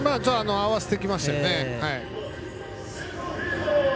合わせてきましたよね。